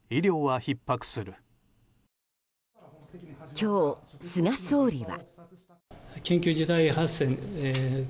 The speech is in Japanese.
今日、菅総理は。